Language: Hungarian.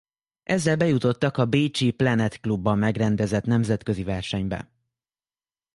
Ezzel bejutottak a bécsi Planet klubban megrendezett nemzetközi versenybe.